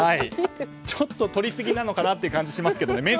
ちょっととりすぎなのかなという感じですけどね。